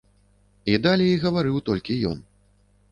І далей гаварыў толькі ён.